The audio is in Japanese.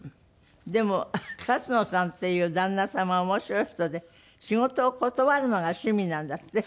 でも勝野さんっていう旦那様面白い人で仕事を断るのが趣味なんだって？